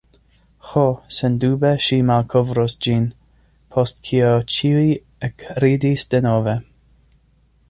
Ho, sendube ŝi malkovros ĝin. Post kio ĉiuj ekridis denove.